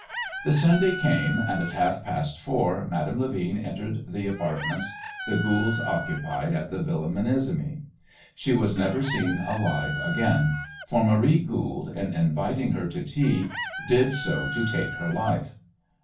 The Sunday came, and at half past four Madame Levin entered the apartments the Goolds occupied at the Villa Menesimy. She was never seen alive again, for Marie Goold in inviting her to tea did so to take her life.